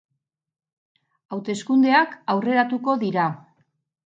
Hauteskundeak aurreratuko dira.